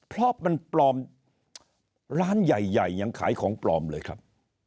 เพราะมันปลอมร้านใหญ่ยังขายของปลอมเลยครับ